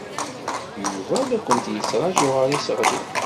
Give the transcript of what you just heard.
Yuba la kent-yettṛaju ɣer yiseɣli.